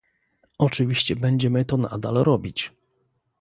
Oczywiście będziemy to nadal robić